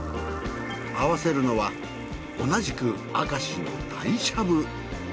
合わせるのは同じく明石の鯛しゃぶ。